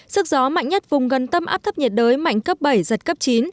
sức gió mạnh nhất vùng gần tâm áp thấp nhiệt đới mạnh cấp bảy giật cấp chín